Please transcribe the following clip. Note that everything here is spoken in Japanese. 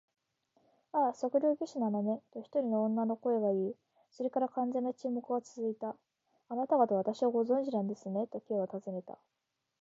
「ああ、測量技師なのね」と、一人の女の声がいい、それから完全な沈黙がつづいた。「あなたがたは私をご存じなんですね？」と、Ｋ はたずねた。